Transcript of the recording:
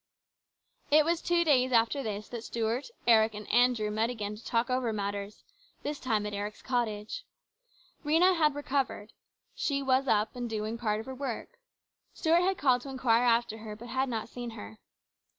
It was two days after this that Stuart, Eric, and Andrew met again to talk over matters, this time at Eric's cottage. Rhena had recovered. She was up, and doing part of her work. Stuart had called to inquire after her, but had not seen her.